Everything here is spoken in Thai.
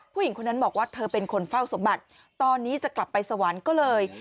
ผู้หญิงคนนั้นบอกว่าเธอเป็นคนเฝ้าสมบัติตอนนี้จะกลับไปสวรรค์ก็เลย